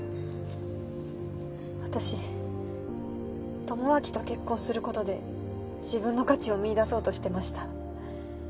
私智明と結婚することで自分の価値を見いだそうとしてました。